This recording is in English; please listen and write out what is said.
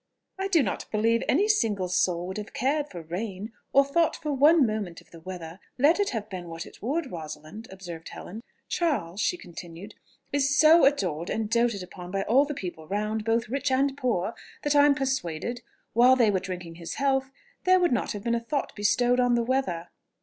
"I do not believe any single soul would have cared for rain, or thought for one moment of the weather, let it have been what it would, Rosalind," observed Helen. "Charles," she continued, "is so adored and doted upon by all the people round, both rich and poor, that I am persuaded, while they were drinking his health, there would not have been a thought bestowed on the weather."